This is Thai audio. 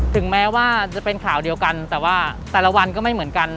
ถึงแม้ว่าจะเป็นข่าวเดียวกันแต่ว่าแต่ละวันก็ไม่เหมือนกัน